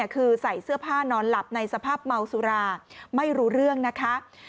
คือใส่เสื้อผ้านอนหลับในสภาพเมาสุราไม่รู้เรื่องนะคะ